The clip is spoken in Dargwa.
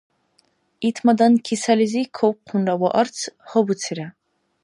Итмадан кисализи кавхъунра ва арц гьабуцира.